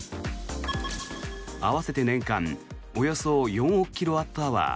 合わせて年間およそ４億キロワットアワー